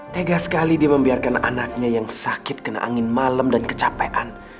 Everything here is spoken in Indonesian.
tega sekali dia membiarkan anaknya yang sakit kena angin malam dan kecapean